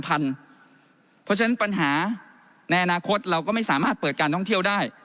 เพราะฉะนั้นปัญหาในอนาคตเราก็ไม่สามารถเปิดการท่องเที่ยวได้